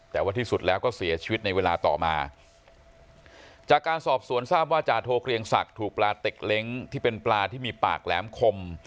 แต่ว่าที่สุดแล้วก็เสียชีวิตในเวลาต่อมาจากการสอบสวนทราบว่าจาโทเกลียงศักดิ์ถูกปลาเต็กเล้งที่เป็นปลาที่มีปากแหลมคม